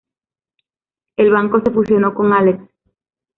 El banco se fusionó con Alex.